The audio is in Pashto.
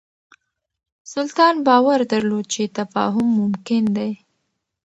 سلطان باور درلود چې تفاهم ممکن دی.